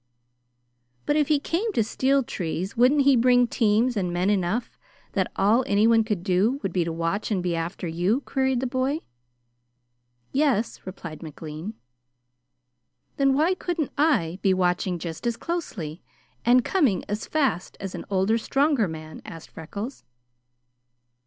"But if he came to steal trees, wouldn't he bring teams and men enough: that all anyone could do would be to watch and be after you?" queried the boy. "Yes," replied McLean. "Then why couldn't I be watching just as closely, and coming as fast, as an older, stronger man?" asked Freckles.